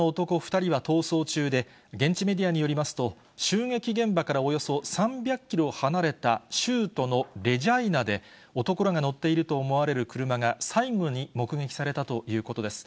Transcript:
２人は逃走中で、現地メディアによりますと、襲撃現場からおよそ３００キロ離れた州都のレジャイナで、男らが乗っていると思われる車が最後に目撃されたということです。